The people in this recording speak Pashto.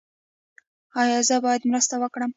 ایا زه باید مرسته وکړم؟